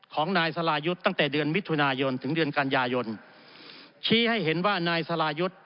ของนายสรายุทธ์ตั้งแต่เดือนมิถุนายนถึงเดือนกันยายนชี้ให้เห็นว่านายสรายุทธ์